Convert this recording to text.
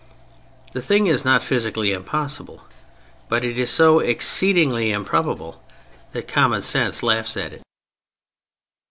The thing is not physically impossible, but it is so exceedingly improbable that common sense laughs at it.